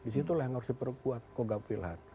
disitulah yang harus diperkuat kogak wilhad